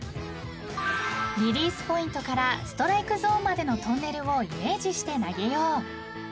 ［リリースポイントからストライクゾーンまでのトンネルをイメージして投げよう］